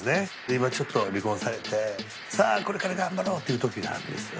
今ちょっと離婚されてさあこれから頑張ろうっていう時なんですよね。